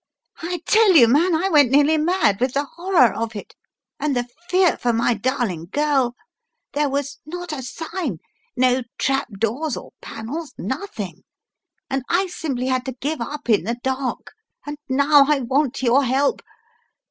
I tell you, man, I went nearly mad with the horror of it, and the fear for my darling girl ! There was not a sign, no trap doors or panels, nothing, and I simply had to give up in the dark, and now I want your help!